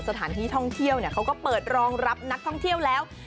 สถานที่ท่องเที่ยวเขาก็เปิดรองรับนักท่องเที่ยวแล้ว